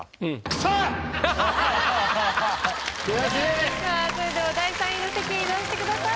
さぁそれでは第３位の席へ移動してください。